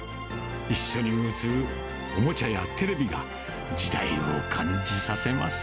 一緒に映るおもちゃやテレビが、時代を感じさせます。